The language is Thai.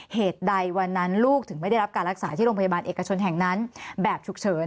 เหตุใดวันนั้นลูกถึงไม่ได้รับการรักษาที่โรงพยาบาลเอกชนแห่งนั้นแบบฉุกเฉิน